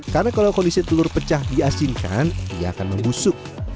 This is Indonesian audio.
karena kalau kondisi telur pecah diasinkan ia akan membusuk